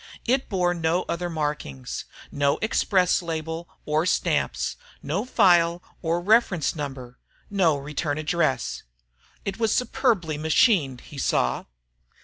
It bore no other markings no express label or stamps, no file or reference number, no return address. It was superbly machined, he saw.